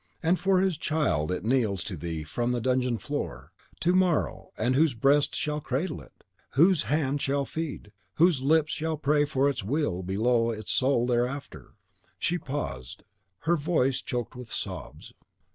And for his child, it kneels to Thee from the dungeon floor! To morrow, and whose breast shall cradle it; whose hand shall feed; whose lips shall pray for its weal below and its soul hereafter!" She paused, her voice choked with sobs.